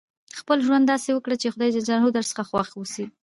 خپل ژوند داسي وکړئ، چي خدای جل جلاله درڅخه خوښ اوسي.